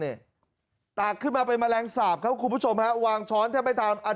เนี่ยตากขึ้นมาไปแมลงสาปเขาคุณผู้ชมวางช้อนจะไปทำ